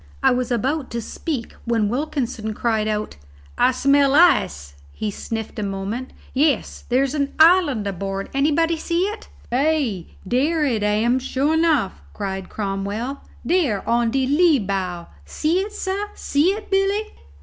I was about to speak when Wilkinson cried out, "I smell ice." He sniffed a moment: "Yes, there's an island aboard. Anybody see it?" "Ay, dere it am, sure enough!" cried Cromwell. "Dere on de lee bow see it, sah? See it, Billy?"